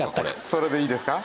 それでいいですか？